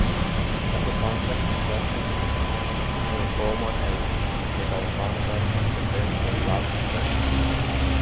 "Catoxantha", "Chrysaspis", "Euchroma" and "Megaloxantha" contain the largest species.